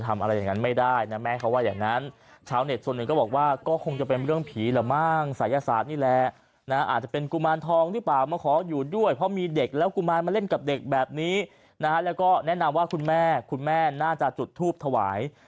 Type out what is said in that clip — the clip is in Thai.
ไม่เข้าไปเล่นในตู้แล้วก็ไม่เคยเข้าไปเล่นด้วย